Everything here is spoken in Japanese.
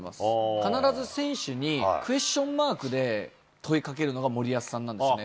必ず選手にクエスチョンマークで問いかけるのが森保さんなんですね。